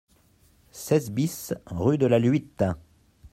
seize BIS rue de la Luitte